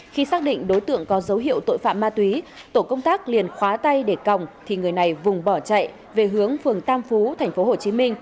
khi xác định đối tượng có dấu hiệu tội phạm ma túy tổ công tác liền khóa tay để còng thì người này vùng bỏ chạy về hướng phường tam phú tp hcm